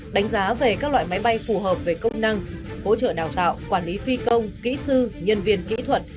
đánh giá về các loại máy bay phù hợp với công năng hỗ trợ đào tạo quản lý phi công kỹ sư nhân viên kỹ thuật